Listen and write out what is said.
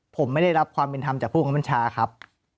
ผมไม่ได้รับความเป็นธรรมจากผู้คับบัญชาครับ